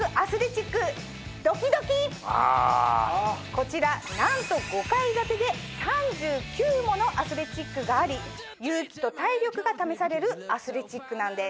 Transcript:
こちらなんと５階建てで３９ものアスレチックがあり勇気と体力が試されるアスレチックなんです。